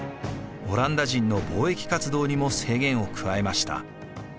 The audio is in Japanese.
オランダ人の貿易活動にも制限を加えました。